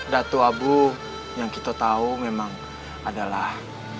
datu abu yang kita tahu memang adalah